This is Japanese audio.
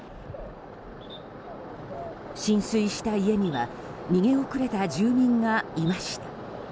浸水した家には逃げ遅れた住民がいました。